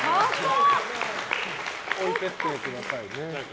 置いてってくださいね。